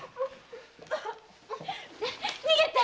逃げて！